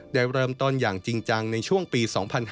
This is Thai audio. ได้เริ่มต้นอย่างจริงจังในช่วงปี๒๕๕๙